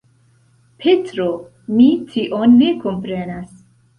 Petro, mi tion ne komprenas!